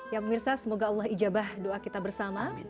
ya pemirsa semoga allah ijabah doa kita bersama